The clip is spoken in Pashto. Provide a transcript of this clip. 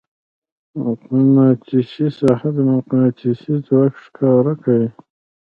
مقناطیسي ساحه د مقناطیس ځواک ښکاره کوي.